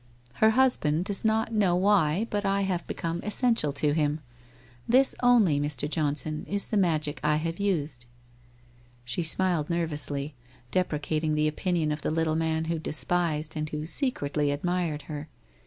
Her husband does not know 144 WHITE ROSE OF WEARY LEAF why, but I have become essential to him. This only, Mr. Johnson, is the magic I have used.' She smiled nervously, deprecating the opinion of the little man she despised and who secretly admired her.